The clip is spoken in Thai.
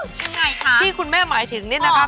ยังไงคะที่คุณแม่หมายถึงนี่นะคะ